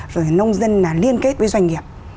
rồi nông dân liên kết với doanh nghiệp